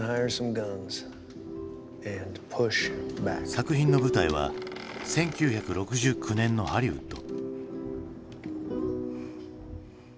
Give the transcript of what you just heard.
作品の舞台は１９６９年のハリウッド。